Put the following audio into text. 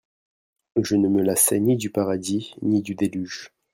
Je ne me lassais ni du Paradis ni du Deluge.